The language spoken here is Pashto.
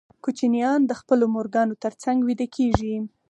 کوچنیان د خپلو مورګانو تر څنګ ویده کېږي.